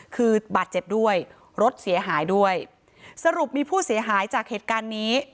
คือบาดเจ็บด้วยรถเสียหายด้วยสรุปมีผู้เสียหายจากเหตุการณ์นี้